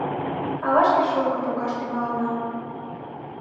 А вашке шурным погаш тӱҥалына.